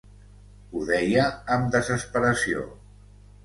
Ho deia amb desesperació.